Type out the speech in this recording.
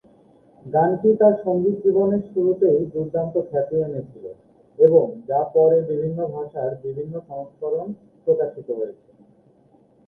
গানটি তার সঙ্গীত জীবনের শুরুতেই দুর্দান্ত খ্যাতি এনেছিল এবং যা পরে বিভিন্ন ভাষার বিভিন্ন সংস্করণ প্রকাশিত হয়েছে।